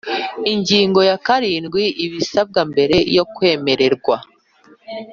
Ingingo ya karindwi Ibisabwa mbere yo kwemererwa